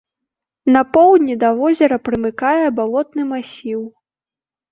На поўдні да возера прымыкае балотны масіў.